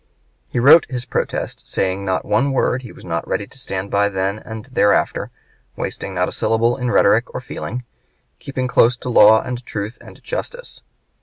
He wrote his protest, saying not one word he was not ready to stand by then and thereafter, wasting not a syllable in rhetoric or feeling, keeping close to law and truth and justice.